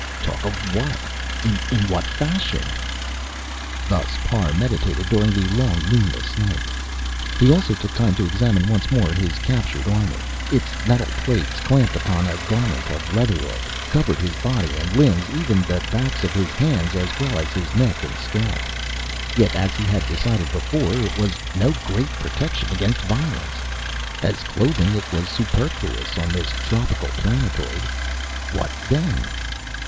Talk of what? In what fashion? Thus Parr meditated during the long, moonless night. He also took time to examine once more his captured armor. Its metal plates, clamped upon a garment of leatheroid, covered his body and limbs, even the backs of his hands, as well as his neck and scalp. Yet, as he had decided before, it was no great protection against violence. As clothing it was superfluous on this tropical planetoid. What then?